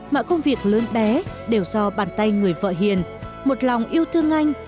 mọi công việc lớn bé đều do bàn tay người vợ hiền một lòng yêu thương anh